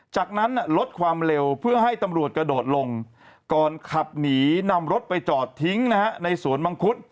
จากนั้นลดความเร็วเพื่อให้ตำรวจกะโดดลง